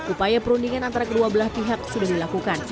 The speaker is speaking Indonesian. upaya perundingan antara kedua belah pihak sudah dilakukan